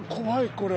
これ。